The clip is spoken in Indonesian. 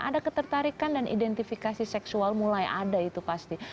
ada ketertarikan dan identifikasi seksual mulai ada itu pasti